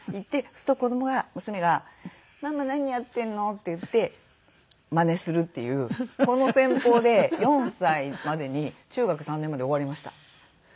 そうすると子どもが娘が「ママ何やってるの？」って言ってマネするっていうこの戦法で４歳までに中学３年まで終わりました。